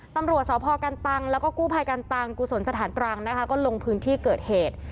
ตำรวจสพกันตังแล้วก็กู้ภัยกันตังกุศลสถานตรังนะคะก็ลงพื้นที่เกิดเหตุ